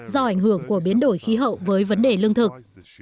do ảnh hưởng của biến đổi khí hậu với vấn đề lương thực